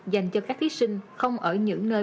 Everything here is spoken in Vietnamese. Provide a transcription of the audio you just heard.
dành cho các thí sinh không ở những nơi